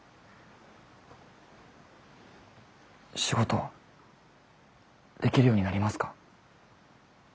仕事できるようになりますか？